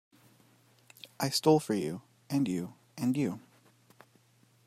I stole for you, and you, and you.